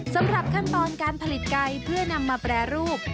สำหรับขั้นตอนการผลิตไก่เพื่อนำมาแปรรูป